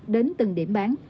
đến từng điểm bán